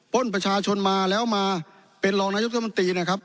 ประชาชนมาแล้วมาเป็นรองนายุทธมนตรีนะครับ